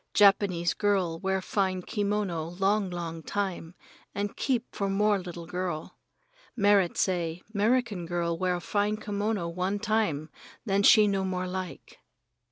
Japanese girl wear fine kimono long, long time, and keep for more little girl. Merrit San say 'Merican girl wear fine kimono one time, then she no more like.